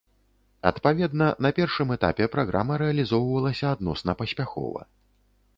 Адпаведна, на першым этапе праграма рэалізоўвалася адносна паспяхова.